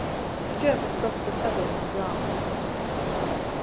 The German dropped the saddle on the ground.